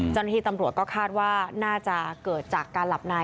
เจ้าหน้าที่ตำรวจก็คาดว่าน่าจะเกิดจากการหลับใน